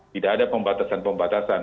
tidak ada pembatasan pembatasan